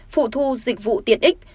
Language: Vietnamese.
phụ thu dịch vụ tiện ích